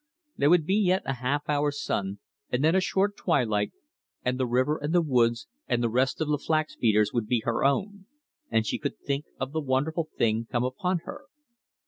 There would be yet a half hour's sun and then a short twilight, and the river and the woods and the Rest of the Flax beaters would be her own; and she could think of the wonderful thing come upon her.